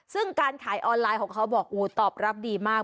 ซึ่งการขายออนไลน์ของเขาบอกตอบรับดีมาก